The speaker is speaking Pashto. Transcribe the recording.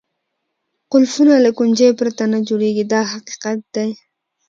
قلفونه له کونجۍ پرته نه جوړېږي دا حقیقت دی.